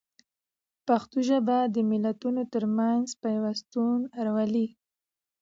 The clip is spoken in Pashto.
پښتو ژبه د ملتونو ترمنځ پیوستون راولي.